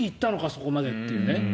そこまでというね。